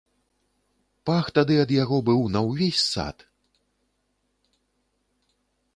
Пах тады ад яго быў на ўвесь сад!